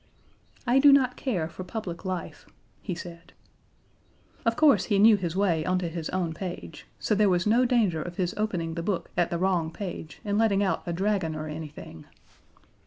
"I do not care for public life," he said. Of course he knew his way onto his own page, so there was no danger of his opening the book at the wrong page and letting out a Dragon or anything.